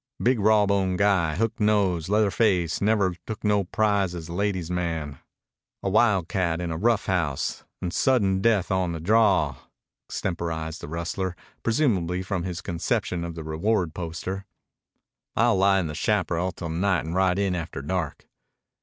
"Big, raw boned guy, hook nose, leather face, never took no prize as a lady's man, a wildcat in a rough house, an' sudden death on the draw," extemporized the rustler, presumably from his conception of the reward poster. "I'll lie in the chaparral till night an' ride in after dark."